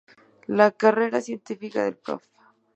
La carrera científica del Prof.